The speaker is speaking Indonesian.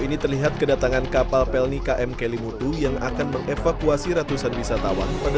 ini terlihat kedatangan kapal pelni km kelimutu yang akan mengevakuasi ratusan wisatawan pada